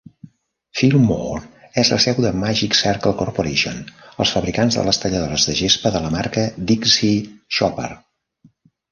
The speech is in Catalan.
Fillmore és la seu de Magic Circle Corporation, els fabricants de les talladores de gespa de la marca Dixie Chopper.